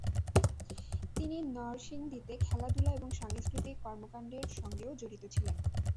তিনি নরসিংদীতে খেলাধুলা এবং সাংস্কৃতিক কর্মকান্ডের সঙ্গেও জড়িত ছিলেন।